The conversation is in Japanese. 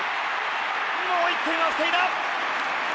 もう１点は防いだ！